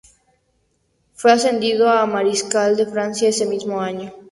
Fue ascendido a mariscal de Francia ese mismo año.